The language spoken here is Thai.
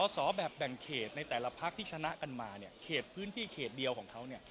สอบแบบแบ่งเขตในแต่ละพักที่ชนะกันมาเนี่ยเขตพื้นที่เขตเดียวของเขาเนี่ย